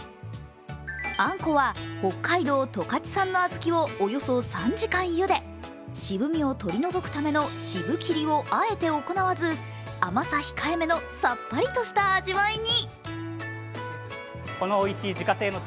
あんこは、北海道・十勝産の小豆をおよそ３時間ゆで、渋みを取り除くための渋切りをあえて行わず甘さ控えめのさっぱりとした味わいに。